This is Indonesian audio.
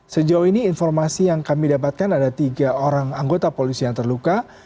sejauh ini informasi yang kami dapatkan ada tiga orang anggota polisi yang terluka